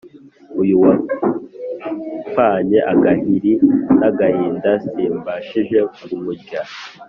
Uyu wapfanye agahiri n'agahinda, simbashije kumurya